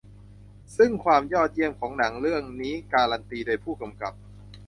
ซึ่งความยอดเยี่ยมของหนังเรื่องนี้การันตีโดยผู้กำกับ